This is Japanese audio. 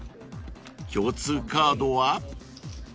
［共通カードは？］